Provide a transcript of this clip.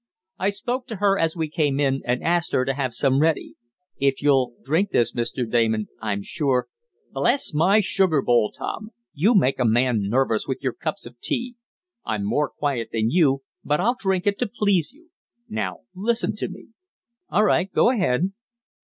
"I spoke to her as we came in, and asked her to have some ready. If you'll drink this, Mr. Damon, I'm sure " "Bless my sugar bowl, Tom! You make a man nervous, with your cups of tea. I'm more quiet than you, but I'll drink it to please you. Now listen to me." "All right, go ahead."